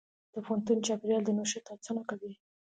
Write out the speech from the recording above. د پوهنتون چاپېریال د نوښت هڅونه کوي.